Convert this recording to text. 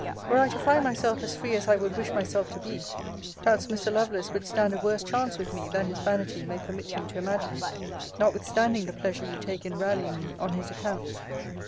Were I to find myself as free as I would wish myself to be, perhaps Mr. Lovelace would stand a worse chance with me than his vanity may permit him to imagine; notwithstanding the pleasure you take in rallying me on his account.